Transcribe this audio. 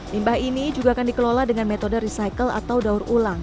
limbah ini juga akan dikelola dengan metode recycle atau daur ulang